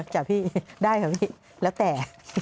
จากพี่ได้ค่ะพี่แล้วแต่